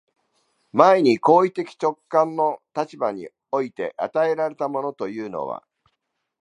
前に行為的直観の立場において与えられたものというのは、